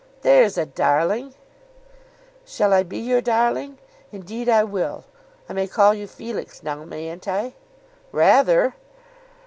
"There's a darling!" "Shall I be your darling? Indeed I will. I may call you Felix now; mayn't I?" "Rather."